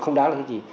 không đáng là cái gì